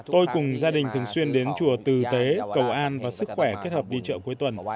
tôi cùng gia đình thường xuyên đến chùa từ tế cầu an và sức khỏe kết hợp đi chợ cuối tuần